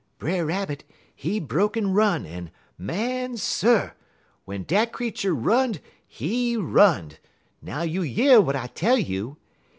"Brer Rabbit, he broke en run, en, Man Sir! w'en dat creetur run'd he run'd, now you year w'at I tell yer!